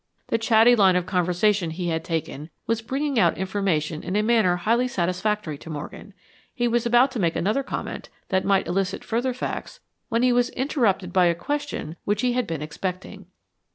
The chatty line of conversation he had taken was bringing out information in a manner highly satisfactory to Morgan. He was about to make another comment, that might elicit further facts, when he was interrupted by a question which he had been expecting.